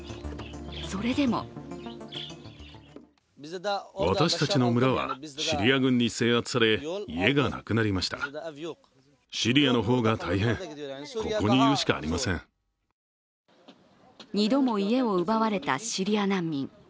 それでも２度も家を奪われたシリア難民。